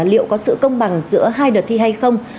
liệu có sự công bằng giữa hai đợt thi hay không